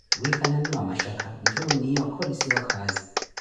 wiikalaniwa mashakha, nthu oniiya okolosiwa khaazi.